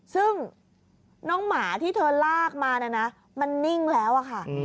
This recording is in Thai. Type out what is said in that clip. ซึ่งน้องหมาที่เธอลากมาเนี่ยนะมันนิ่งแล้วอะค่ะ